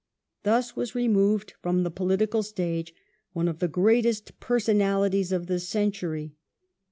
2 Thus was removed from the political stage one of the great personalities of the century.